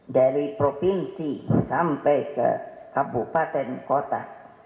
dari provinsi sampai ke kabupaten kota